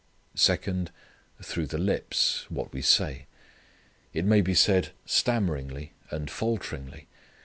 Second: through the lips, what we say. It may be said stammeringly and falteringly.